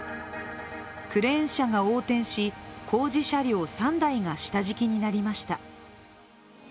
クレーン車が横転し工事車両３台が下敷きになりました。